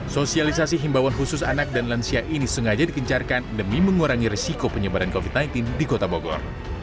sosialisasi himbawan khusus anak dan lansia ini sengaja dikencarkan demi mengurangi risiko penyebaran covid sembilan belas di kota bogor